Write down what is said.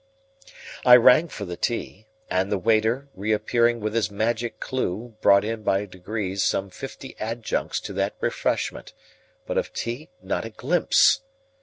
I rang for the tea, and the waiter, reappearing with his magic clue, brought in by degrees some fifty adjuncts to that refreshment, but of tea not a glimpse.